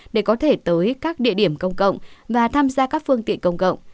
để có thể tới các địa điểm công cộng và tham gia các phương tiện công cộng